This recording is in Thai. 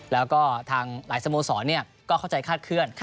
แล้วก็ทางหลายสโมสรก็เข้าใจคาดเคลื่อน